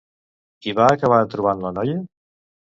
I va acabar trobant la noia?